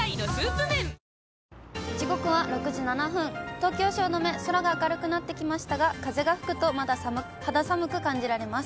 東京・汐留、空が明るくなってきましたが、風が吹くとまだ肌寒く感じられます。